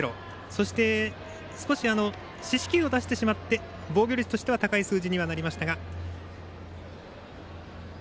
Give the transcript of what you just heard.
そして少し四死球を出してしまって防御率としては高い数字になりましたが。